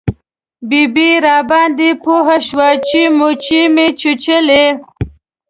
ببۍ راباندې پوه شوه چې موچۍ مې چیچلی.